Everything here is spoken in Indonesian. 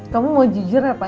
kamu mau jujur apa